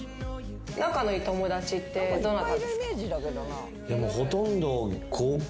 仲のいい友達ってどなたですか？